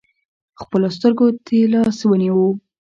خپلو سترکو تې لاس ونیوئ .